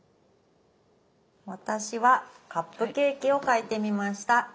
私はカップケーキを描いてみました。